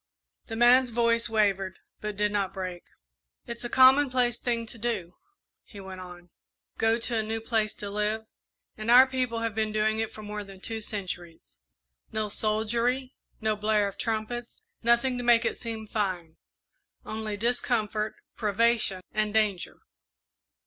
The man's voice wavered, but did not break. "It's a commonplace thing to do," he went on, "go to a new place to live, and our people have been doing it for more than two centuries. No soldiery, no blare of trumpets, nothing to make it seem fine only discomfort, privation, and danger.